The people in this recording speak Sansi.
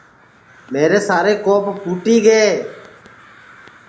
میرے سارے کوپ پھوٹی گے